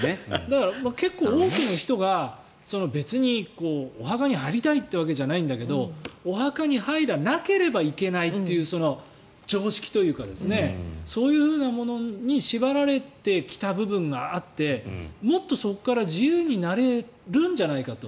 結構、多くの人が別にお墓に入りたいってわけじゃないんだけどお墓に入らなければいけないという常識というか、そういうものに縛られてきた部分があってもっとそこから自由になれるんじゃないかと。